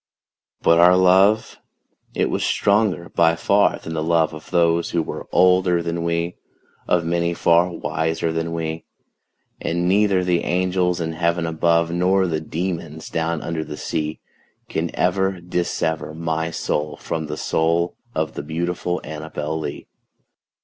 But our love it was stronger by far than the love Of those who were older than we Of many far wiser than we And neither the angels in heaven above, Nor the demons down under the sea, Can ever dissever my soul from the soul Of the beautiful ANNABEL LEE.